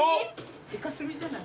イカスミじゃない？